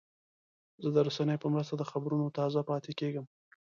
زه د رسنیو په مرسته د خبرونو تازه پاتې کېږم.